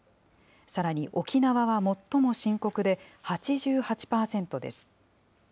さらに沖縄は最も深刻で、８８％です。